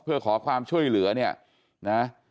เพื่อขอความช่วยเหลือเนี่ยนะ